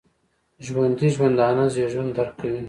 ژوندي د ژوندانه زیږون درک کوي